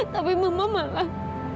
tapi mama malah